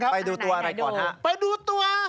ไปดูตัว